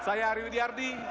saya aryu diardi